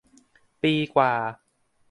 ปีกว่า